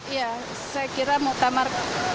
iya saya kira muktamar